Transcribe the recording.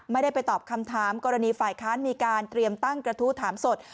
ไม่ได้ไปตอบคำถามกรณีฝ่ายค้านมีการเตรียมตั้งกระทู้ถามสด